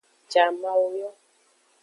Jamawo yo.